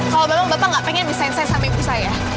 kalau memang bapak gak pengen disainsai sama ibu saya